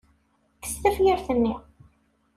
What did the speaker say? Kkes tafyirt-nni.